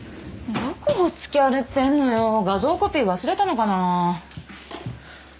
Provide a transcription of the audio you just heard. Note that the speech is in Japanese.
どこほっつき歩いてんのよ画像コピー忘れたのかな。